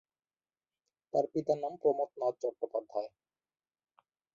তার পিতার নাম প্রমথনাথ চট্টোপাধ্যায়।